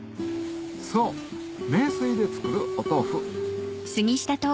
そう名水で作るお豆腐